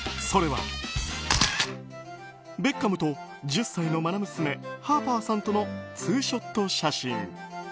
それはベッカムと１０歳の愛娘ハーパーさんとのツーショット写真。